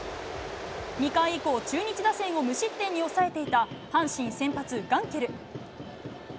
２回以降、中日打線を無失点に抑えていた阪神先発、ガンケル。